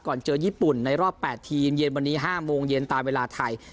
เจอญี่ปุ่นในรอบ๘ทีมเย็นวันนี้๕โมงเย็นตามเวลาไทย